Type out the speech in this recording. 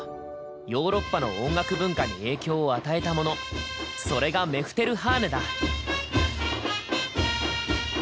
ヨーロッパの音楽文化に影響を与えたものそれが「メフテルハーネ」だ。